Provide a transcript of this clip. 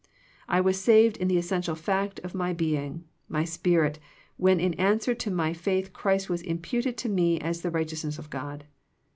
I was saved in the essential fact of my being, my spirit, when in answer to my faith Christ was imputed to me as the righteousness of God.